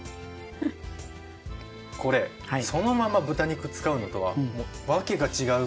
これそのまま豚肉使うのとはもう訳が違うぐらい。